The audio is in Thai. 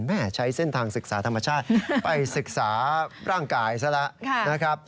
แม่ใช้เส้นทางศึกษาธรรมชาติไปศึกษาร่างกายซะละ